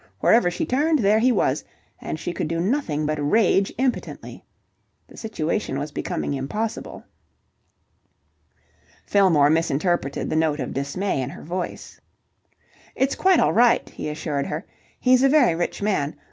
Wherever she turned, there he was, and she could do nothing but rage impotently. The situation was becoming impossible. Fillmore misinterpreted the note of dismay in her voice. "It's quite all right," he assured her. "He's a very rich man.